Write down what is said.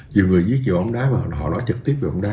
nhiều người viết về bóng đá mà họ nói trực tiếp về bóng đá